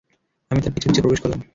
আমি তার পিছে পিছে প্রবেশ করলাম।